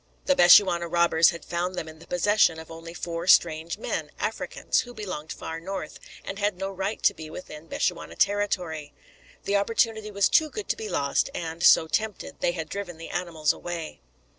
The Bechuana robbers had found them in the possession of only four strange men, Africans, who belonged far north, and had no right to be within Bechuana territory. The opportunity was too good to be lost, and, so tempted, they had driven the animals away.